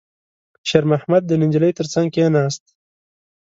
شېرمحمد د نجلۍ تر څنګ کېناست.